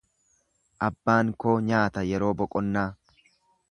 Abbaan koo nyaata yeroo boqonnaa.